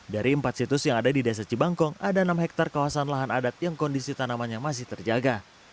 dari empat situs yang ada di desa cibangkong ada enam hektare kawasan lahan adat yang kondisi tanamannya masih terjaga